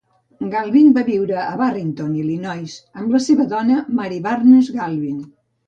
Galvin va viure a Barrington (Illinois) amb la seva dona Mary Barnes Galvin.